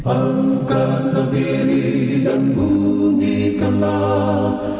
angkatlah diri dan bunyikanlah